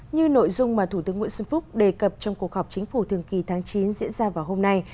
như nội dung mà thủ tướng nguyễn xuân phúc đề cập trong cuộc họp chính phủ thường kỳ tháng chín diễn ra vào hôm nay